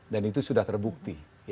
dan itu sudah terbukti